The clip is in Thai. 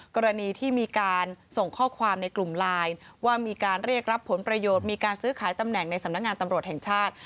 กรณีที่มีการส่งข้อความในกลุ่มไลน์ว่ามีการเรียกรับผลประโยชน์มีการซื้อขายตำแหน่งในสำนักงานตำรวจแห่งชาติ